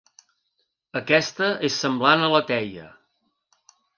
Aquesta és semblant a la teia.